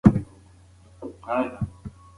ترنګ د اوبو هغه غږ دی چې په سیند کې بهېږي.